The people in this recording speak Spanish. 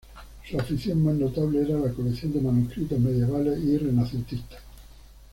Su afición más notable era la colección de manuscritos medievales y renacentistas.